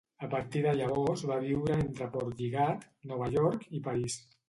A partir de llavors van viure entre Portlligat, Nova York i París.